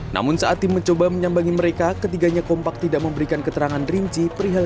namun saat tim mencoba menyambangi mereka ketiganya kompak tidak memberikan keterangan rinci perihal